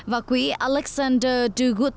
và quỹ alexander de guzmao của brazil